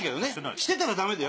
してたらダメだよ。